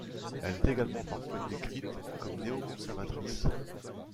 Elle est également parfois décrite comme néoconservatrice.